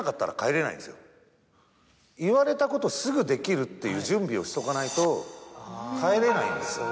言われたことすぐできるっていう準備をしとかないと帰れないんですよ。